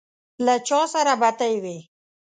له چا سره بتۍ وې.